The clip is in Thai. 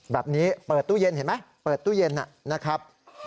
แบบนี้เปิดตู้เย็นเห็นไหมเปิดตู้เย็นนะครับ